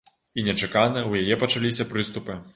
І нечакана ў яе пачаліся прыступы.